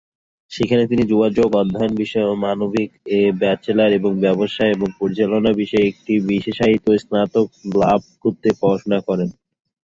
সেখানে তিনি যোগাযোগ অধ্যায়ন বিষয়ে মানবিক এ ব্যাচেলর এবং ব্যবসা এবং পরিচালনা বিষয়ে একটি বিশেষায়িত স্নাতক লাভ করতে পড়াশোনা করেন।